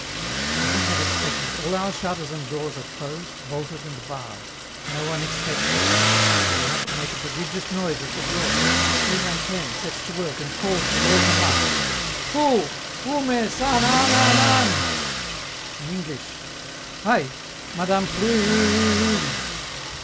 As I had expected, all our shutters and doors are closed, bolted, and barred; no one expects us, and we have to make a prodigious noise at the door. Chrysantheme sets to work and calls with all her might: "Hou Oume San an an an!" (In English: "Hi! Madame Pru u uu une!")